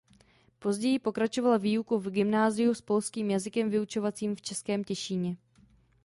Později pokračoval výuku v gymnáziu s polským jazykem vyučovacím v Českém Těšíně.